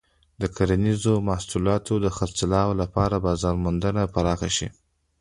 د کرنیزو محصولاتو د خرڅلاو لپاره بازار موندنه پراخه شي.